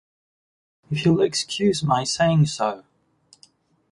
If you’ll excuse my saying so.